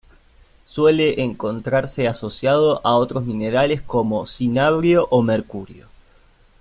Suele encontrarse asociado a otros minerales como: cinabrio o mercurio.